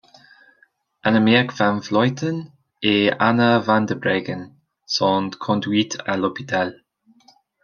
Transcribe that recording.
Annemiek van Vleuten et Anna van der Breggen sont conduites à l'hôpital.